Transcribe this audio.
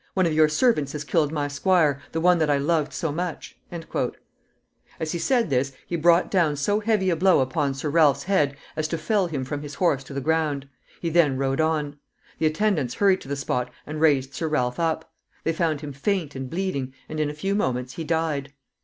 "One of your servants has killed my squire the one that I loved so much." As he said this, he brought down so heavy a blow upon Sir Ralph's head as to fell him from his horse to the ground. He then rode on. The attendants hurried to the spot and raised Sir Ralph up. They found him faint and bleeding, and in a few moments he died.